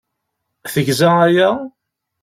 Tegza aya?